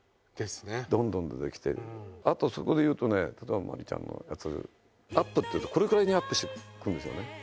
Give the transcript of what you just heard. あとそこでいうと例えば真理ちゃんのやつアップっていうとこれくらいにアップしてくんですよね